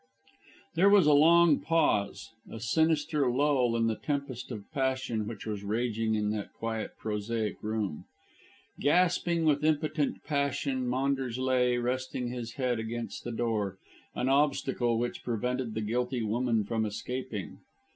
There was a long pause, a sinister lull in the tempest of passion which was raging in that quiet, prosaic room. Gasping with impotent passion, Maunders lay, resting his head against the door, an obstacle which prevented the guilty woman from escaping.